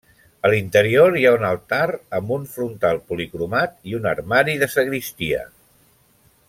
A l'interior hi ha un altar amb un frontal policromat i un armari de sagristia.